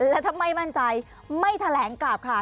และถ้าไม่มั่นใจไม่แถลงกลับค่ะ